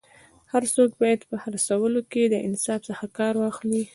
هر څوک باید په خرڅولو کي له انصاف څخه کار واخلي